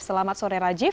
selamat sore rajif